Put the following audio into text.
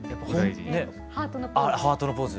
ハートのポーズ。